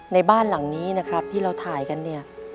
ในบ้านหลังนี้นะครับที่เราถ่ายกันเนี่ย